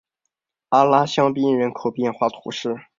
阿拉香槟人口变化图示